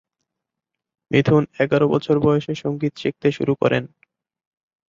মিথুন এগারো বছর বয়সে সঙ্গীত শিখতে শুরু করেন।